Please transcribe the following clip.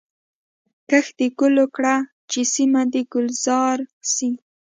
کښت د ګلو کړه چي سیمه دي ګلزار سي